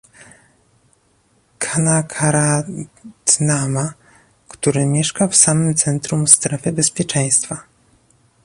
Kanakaratnama, który mieszka w samym centrum "strefy bezpieczeństwa"